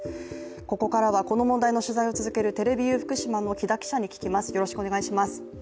ここからはこの問題の取材を続ける、テレビユー福島の木田記者に聞きます。